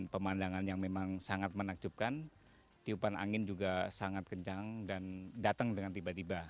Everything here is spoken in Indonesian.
pemandangan yang memang sangat menakjubkan tiupan angin juga sangat kencang dan datang dengan tiba tiba